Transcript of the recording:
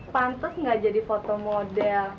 pantas nggak jadi foto model